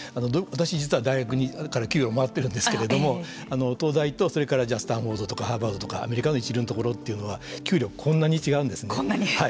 私、実は大学から給与をもらっているんですけれども東大とスタンフォードとかハーバードとかアメリカの一流のところというのは給料がこんなに違うんですね。